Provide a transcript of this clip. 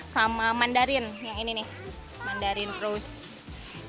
sama mandarin yang ini nih mandarin croses